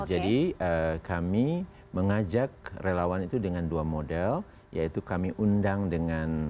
jadi kami mengajak relawan itu dengan dua model yaitu kami undang dengan